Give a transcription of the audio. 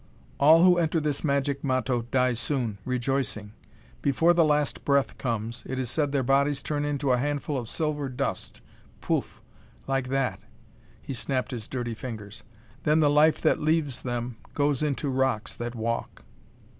All who enter this magic matto die soon, rejoicing. Before the last breath comes, it is said their bodies turn into a handful of silver dust poof! like that." He snapped his dirty fingers. "Then the life that leaves them goes into rocks that walk."